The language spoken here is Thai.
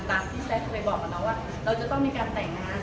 ตามที่แซคเคยบอกกับน้องว่าเราจะต้องมีการแต่งงาน